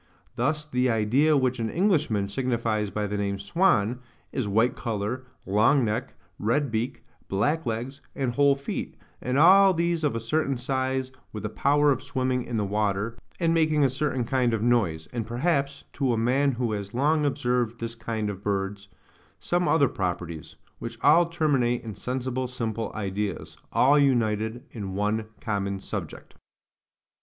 Thus the idea which an Englishman signifies by the name swan, is white colour, long neck, red beak, black legs, and whole feet, and all these of a certain size, with a power of swimming in the water, and making a certain kind of noise, and perhaps, to a man who has long observed this kind of birds, some other properties: which all terminate in sensible simple ideas, all united in one common subject.